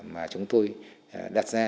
mà chúng tôi đặt ra